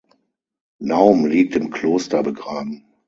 Naum liegt im Kloster begraben.